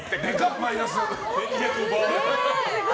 マイナス。